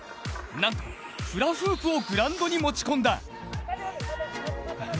なんとフラフープをグラウンドに持ち込んだ。